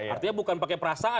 artinya bukan pakai perasaan loh ya